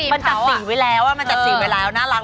มันจัดสีไว้แล้วมันจัดสีไว้แล้วน่ารัก